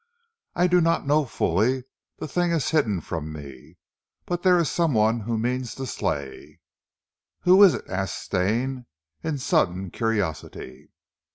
"I do not know, fully. The thing is hidden from me, but there is some one who means to slay." "Who is it?" asked Stane in sudden curiosity.